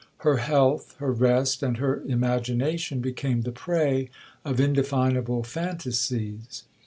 Her health, her rest, and her imagination, became the prey of indefinable fantasies.